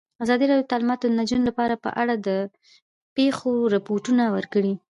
ازادي راډیو د تعلیمات د نجونو لپاره په اړه د پېښو رپوټونه ورکړي.